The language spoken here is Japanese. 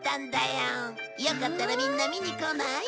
よかったらみんな見に来ない？